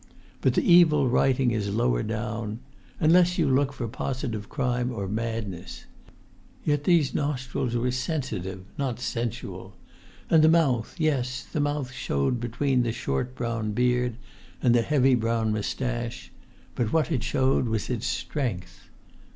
But the evil writing is lower down, unless you look for positive crime or madness; yet these nostrils were sensitive, not sensual; and the mouth, yes, the mouth showed between the short brown beard and the heavy brown moustache; but what it showed was its strength.